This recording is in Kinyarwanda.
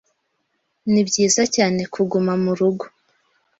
Nibyiza cyane kuguma murugo.